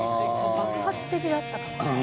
爆発的だったからもう。